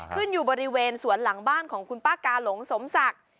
อยู่บริเวณสวนหลังบ้านของคุณป้ากาหลงสมศักดิ์